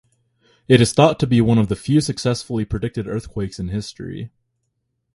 It is thought to be one of the few successfully predicted earthquakes in history.